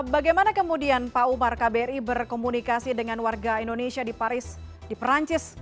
bagaimana kemudian pak umar kbri berkomunikasi dengan warga indonesia di paris di perancis